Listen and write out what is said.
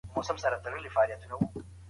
الکول جنسي کمزوري زیاتوي.